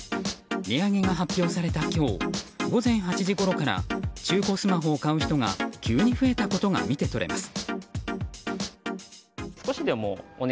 値上げが発表された今日午前８時ごろから中古スマホを買う人が急に増えたことが見て取れます。